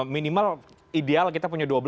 minimal ideal kita punya dua belas